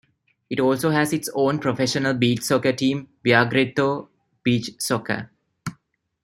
It also has its own professional beach soccer team Viareggio Beach Soccer.